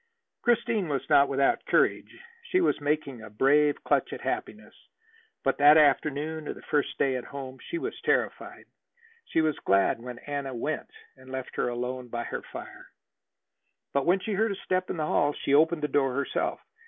Christine was not without courage. She was making a brave clutch at happiness. But that afternoon of the first day at home she was terrified. She was glad when Anna went and left her alone by her fire. But when she heard a step in the hall, she opened the door herself.